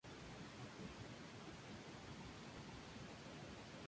La familia era además muy problemática.